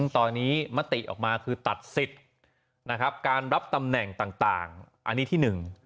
ตอนนี้มติออกมาคือตัดสิทธิ์นะครับการรับตำแหน่งต่างอันนี้ที่หนึ่ง